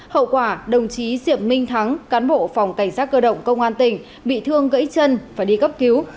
hậu quả đồng chí diệp minh thắng cán bộ phòng cảnh sát cơ động công an tỉnh bị thương gãy chân và đi cấp cứu